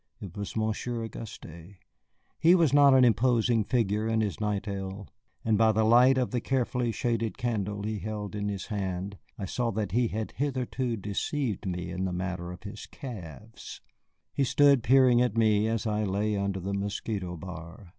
It was Monsieur Auguste. He was not an imposing figure in his nightrail, and by the light of the carefully shaded candle he held in his hand I saw that he had hitherto deceived me in the matter of his calves. He stood peering at me as I lay under the mosquito bar.